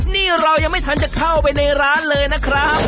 นี่เรายังไม่ทันจะเข้าไปในร้านเลยนะครับ